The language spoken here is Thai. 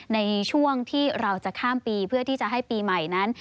ในช่วงที่เราจะข้ามปีเพื่อที่จะให้ปีใหม่นั้น